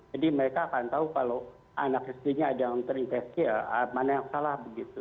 jadi mereka akan tahu kalau anak sd nya ada yang terinfeksi mana yang salah begitu